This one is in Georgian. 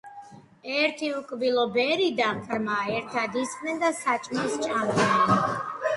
ერთი უკბილო ბერი და ყრმა ერთად ისხდენ და საჭმელს სჭამდნენ.